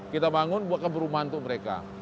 kita bangun buat keberumahan untuk mereka